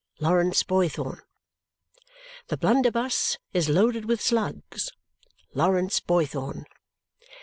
Lawrence Boythorn." "The blunderbus is loaded with slugs. Lawrence Boythorn."